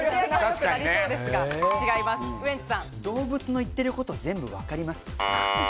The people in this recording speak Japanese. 動物の言ってることを全部わかります。